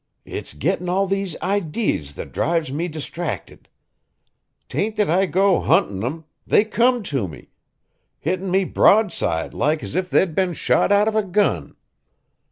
"It's gettin' all these idees that drives me distracted. 'Tain't that I go huntin' 'em; they come to me, hittin' me broadside like as if they'd been shot out of a gun.